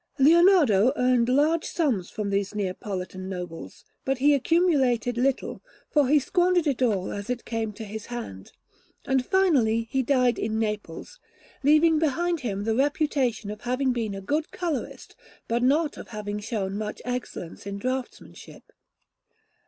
Leonardo earned large sums from these Neapolitan nobles, but he accumulated little, for he squandered it all as it came to his hand; and finally he died in Naples, leaving behind him the reputation of having been a good colourist, but not of having shown much excellence in draughtsmanship.